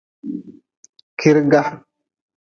Kiirga.